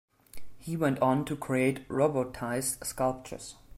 He went on to create robotized sculptures.